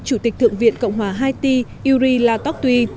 chủ tịch thượng viện cộng hòa haiti yuri latokty